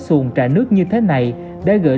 xuồng trà nước như thế này đã gửi